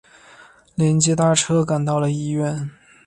接连搭车赶到了医院